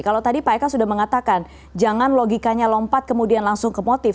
kalau tadi pak eka sudah mengatakan jangan logikanya lompat kemudian langsung ke motif